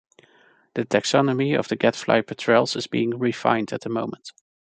The taxonomy of the gadfly petrels is being refined at the moment.